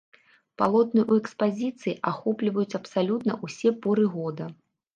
Палотны ў экспазіцыі ахопліваюць абсалютна ўсе поры года.